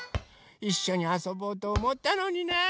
いっしょにあそぼうとおもったのにな。